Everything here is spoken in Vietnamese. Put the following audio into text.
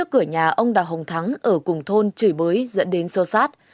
cửa nhà ông đào hồng thắng ở cùng thôn chửi bới dẫn đến sâu sát